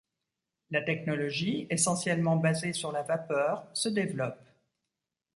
La technologie, essentiellement basée sur la vapeur, se développe.